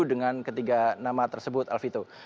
dengan ketiga nama tersebut alfito